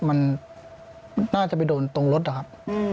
มันน่าจะไปโดนตรงรถนะครับ